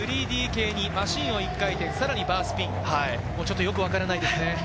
３Ｄ系にマシンを１回転、さらにバースピン、よくわからないですね。